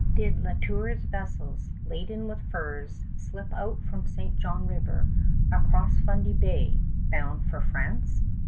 Did La Tour's vessels laden with furs slip out from St. John River across Fundy Bay bound for France?